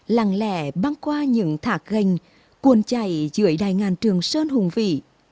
làng lẻ băng qua những thạc gành cuồn chảy dưới đài ngàn trường sơn hùng vị